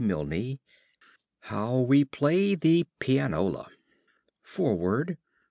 II. HOW WE PLAY THE PIANOLA [FOREWORD.